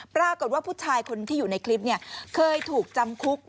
ปรากฏว่าผู้ชายคนที่อยู่ในคลิปเคยถูกจำคุก